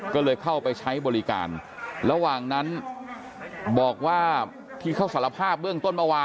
ก็เลยเข้าไปใช้บริการระหว่างนั้นบอกว่าที่เขาสารภาพเบื้องต้นเมื่อวาน